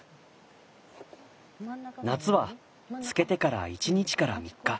夏は漬けてから１日から３日。